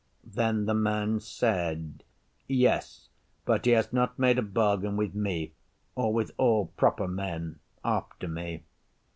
Then the Man said, 'Yes, but he has not made a bargain with me or with all proper Men after me.